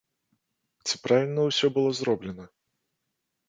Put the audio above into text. Ці правільна ўсё было зроблена?